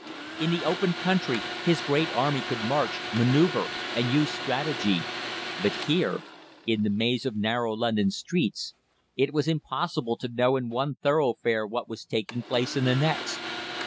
In the open country his great army could march, manoeuvre, and use strategy, but here in the maze of narrow London streets it was impossible to know in one thoroughfare what was taking place in the next.